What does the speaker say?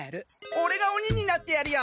オレがおにになってやるよ！